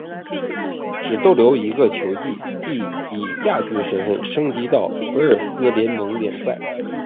只逗留一个球季即以亚军身份升级到威尔斯联盟联赛。